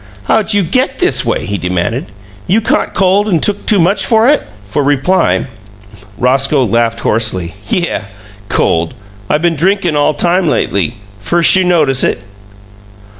"How'd you GET this way?" he demanded. "You caught cold and took too much for it?" For reply Roscoe laughed hoarsely. "Yeuh! Cold! I been drinkun all time, lately. Firs' you notice it?"